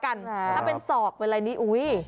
ถ้าเป็นศอกเวลานี้อุ๊ย